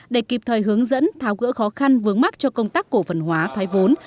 để kịp thời hướng dẫn tháo gỡ khó khăn vướng mắt cho công tác cổ phần hóa thoái vốn